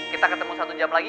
kita ketemu satu jam lagi